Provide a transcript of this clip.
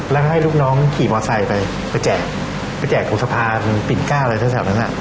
แล้วให้ลูกน้องขี่มอไซค์ไปไปแจกไปแจกของสะพานปิดก้าอะไรเท่าเท่านั้นอ่ะ